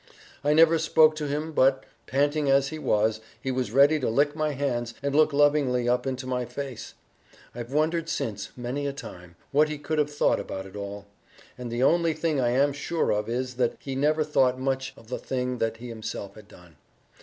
I never spoke to him but, panting as he was, he was ready to lick my hands and look lovingly up into my face. I've wondered since, many a time, what he could have thought about it all; and the only thing I am sure of is that he never thought much of the thing that he himself had done.